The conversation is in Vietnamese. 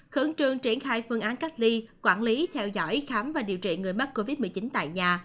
khẩn trương triển khai phương án cách ly quản lý theo dõi khám và điều trị người mắc covid một mươi chín tại nhà